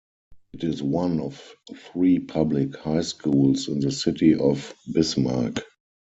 It is one of three public high schools in the city of Bismarck.